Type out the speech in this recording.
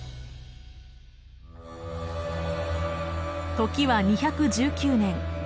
時は２１９年。